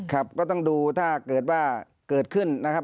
ครับก็ต้องดูถ้าเกิดว่าเกิดขึ้นนะครับ